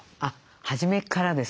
初めからですね。